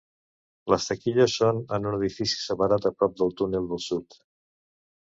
Les taquilles són en un edifici separat a prop del túnel del sud.